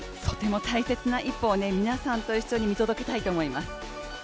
とても大切な一歩を皆さんと一緒に見届けたいと思います。